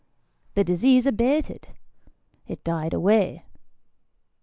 The disease abated. It died away.